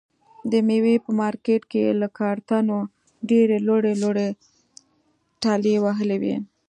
د مېوې په مارکېټ کې یې له کارتنو ډېرې لوړې لوړې ټلې وهلې وي.